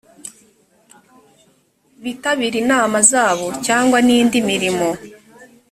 bitabire inama zabo cyangwa n indi mirimo